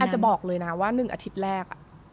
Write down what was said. จะบอกเลยนะว่า๑อาทิตย์แรก